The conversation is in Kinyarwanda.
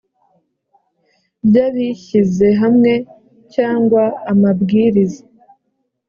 by abishyizehamwe cyangwa amabwiriza